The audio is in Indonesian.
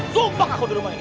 sumpah kakak di rumah ini